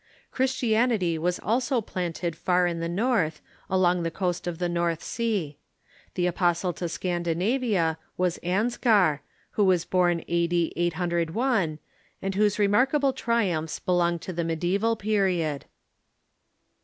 Christianity Avas also planted far in the North, along the coast of the North Sea. Tlie apostle to Scandinavia was Ansgar, who was born a.d. 801, and whose remarkable triumphs belong to the mediaeval period.